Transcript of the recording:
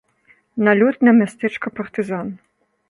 Налёт на мястэчка партызан.